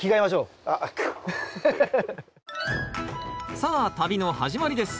さあ旅の始まりです！